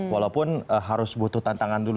walaupun harus butuh tantangan dulu